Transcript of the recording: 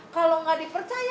kalau gak dipercaya